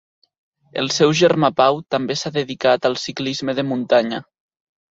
El seu germà Pau també s'ha dedicat al ciclisme de muntanya.